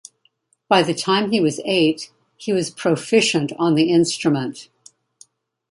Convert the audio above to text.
By the time he was eight, he was proficient on the instrument.